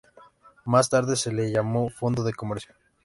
Más tarde, se le llamó fondo de comercio.